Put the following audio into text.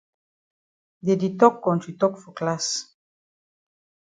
Dey di tok kontri tok for class.